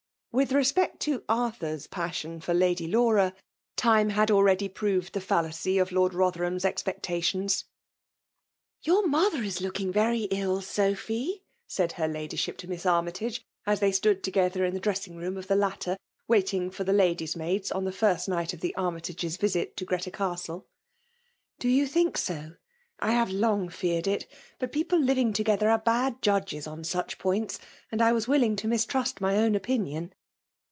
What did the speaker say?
With respect to Arthur's passioai toft Lady Laura, time had already proved the JUlacy of Lord Rotherham's expectatiofis. " Your mother is looking very ill, Sophy^*' said her ladyship to Miss Armytage, as Aey 9tood together in the dressing room of tbs latter, waiting for the ladies* maids, on thf first night of the Armytages* visit to Greta Castle. « u " Do pu think BO? Ihave long feared it : hai pe^pk firmg; together are bad jadgw en such points ; and I was willing to mistrust my evn opinion."